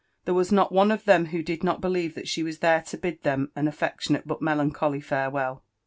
There wa$ not one of Uiem who did not believe that she was there Lo bid them an alTecliiOttale but melancholy farewell.